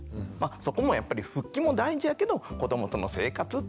そこもやっぱり復帰も大事やけど子どもとの生活っていうことね